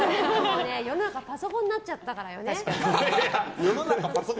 世の中パソコンになっちゃったからだよね。